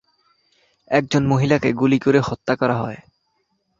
একজন মহিলাকে গুলি করে হত্যা করা হয়।